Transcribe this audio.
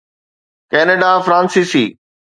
Canada فرانسيسي